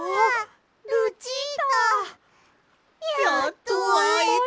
やっとあえた！